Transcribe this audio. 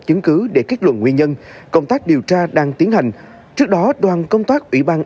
chứng cứ để kết luận nguyên nhân công tác điều tra đang tiến hành trước đó đoàn công tác ủy ban